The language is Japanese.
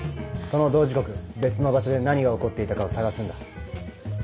その同時刻別の場所で何が起こっていたかを探すんだ。